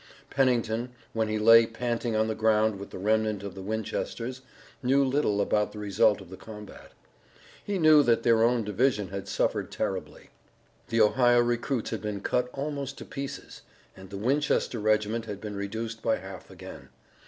Pennington, when he lay panting on the ground with the remnant of the Winchesters, knew little about the result of the combat. He knew that their own division had suffered terribly. The Ohio recruits had been cut almost to pieces, and the Winchester regiment had been reduced by half again.